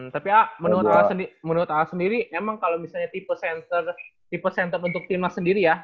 tapi a menurut a sendiri emang kalo misalnya tipe center untuk tim nas sendiri ya